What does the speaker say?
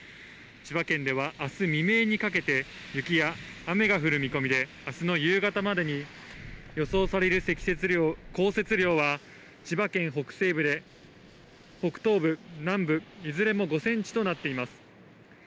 千葉県ではあす未明にかけて、雪や雨が降る見込みで、あすの夕方までに予想される降雪量は、千葉県北西部、北東部、南部、いずれも５センチとなっています。